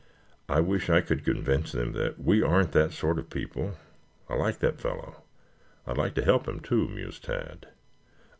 I wish I could convince them that we aren't that sort of people. I like that fellow. I'd like to help him, too," mused Tad.